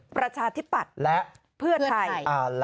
ประชาธิปัตย์และเพื่อไทย